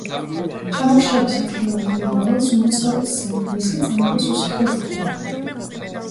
ჩამოხრჩობის ადგილამდე მიმავალს უმოწყალოდ სცემდნენ, ის კი წამებას უსიტყვოდ იტანდა.